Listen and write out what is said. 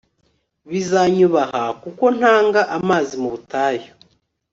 bizanyubaha kuko ntanga amazi mu butayu